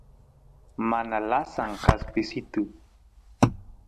mana lasan kaspisitu